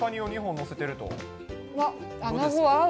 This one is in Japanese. うわっ、穴子合う。